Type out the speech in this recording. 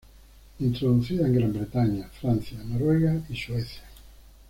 Introducida en Gran Bretaña, Francia, Noruega y Suecia.